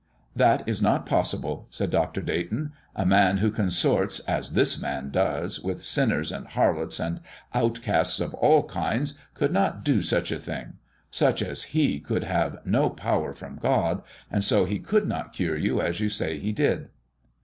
"That is not possible," said Dr. Dayton. "A man who consorts, as this Man does, with sinners and harlots and outcasts of all kinds could not do such a thing. Such as He could have no power from God, and so He could not cure you as you say He did."